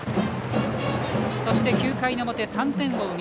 そして９回表３点を追う